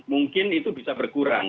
mungkin itu bisa berkurang